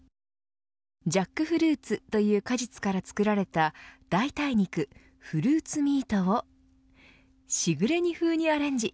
ジャックフルーツという果実から作られた代替肉、フルーツミートをしぐれ煮風にアレンジ。